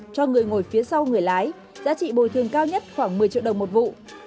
cho người ngồi phía sau người lái giá trị bồi thường cao nhất khoảng một mươi triệu đồng một vụ